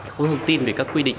khâu thông tin về các quy định